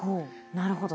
なるほど。